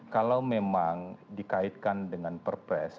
kalau memang dikaitkan dengan perpres